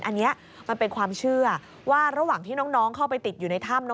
อันนี้มันเป็นความเชื่อว่าระหว่างที่น้องเข้าไปติดอยู่ในถ้ำ